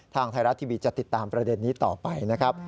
ทางไทยรัฐทีวีจะติดตามประเด็นนี้ต่อไปนะครับ